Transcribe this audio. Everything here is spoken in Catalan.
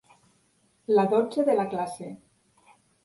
La dotze de la classe.